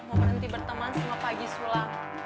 mau berhenti berteman sama pak haji sulam